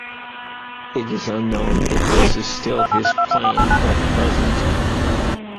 It is unknown if this is still his plan at present.